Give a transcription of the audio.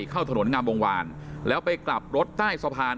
เข้าถนนงามวงวานแล้วไปกลับรถใต้สะพาน